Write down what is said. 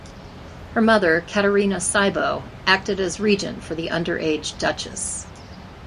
Her mother Caterina Cybo acted as regent for the underage Duchess.